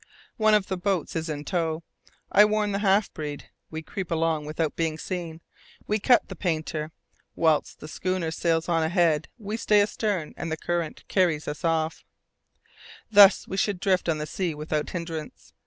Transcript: One of the boats is in tow. I warn the half breed. We creep along without being seen. We cut the painter. Whilst the schooner sails on ahead, we stay astern and the current carries us off. Thus we drift on the sea without hindrance!